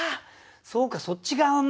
そうかそっち側の。